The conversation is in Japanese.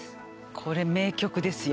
これ名曲ですよ。